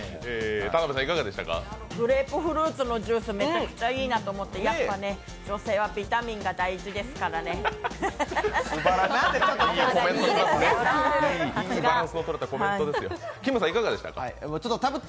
グレープフルーツのジュースめちゃくちゃいいなと思ってやっぱね、女性はビタミンが大事ですからね、へへへっ。